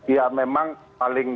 ya memang paling